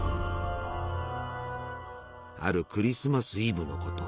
あるクリスマス・イブのこと。